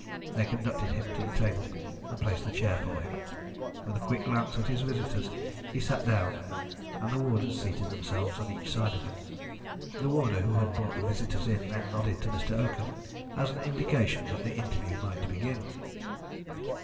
They conducted him to the table, and placed a chair for him. With a quick glance at his visitors he sat down, and the warders seated themselves on each side of him. The warder who had brought the visitors in then nodded to Mr. Oakham, as an indication that the interview might begin.